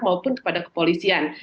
maupun kepada kepolisian